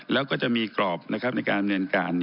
แล้วก็จะมีกรอบในการดำเนินการ